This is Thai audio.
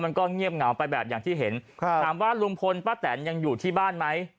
มันก็เงียบเหงาไปแบบอย่างที่เห็นถามว่าลุงพลป้าแตนยังอยู่ที่บ้านไหม